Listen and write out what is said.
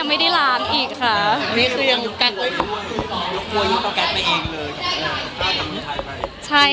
ว่าได้ยกไม่เป็นถ้ารัก